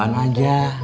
yang berduaan aja